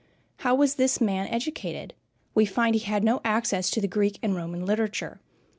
How was this man educated? We find he had no access to the Greek and Roman literature.